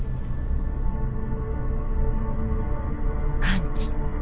乾季。